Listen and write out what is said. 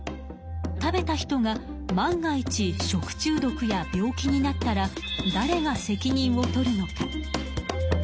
食べた人が万が一食中毒や病気になったら誰が責任をとるのか？